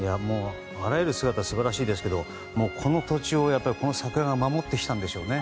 あらゆる姿素晴らしいですけどこの土地をこの桜が守ってきたんでしょうね。